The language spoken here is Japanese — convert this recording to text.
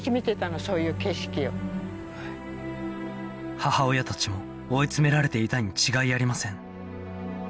母親たちも追い詰められていたに違いありません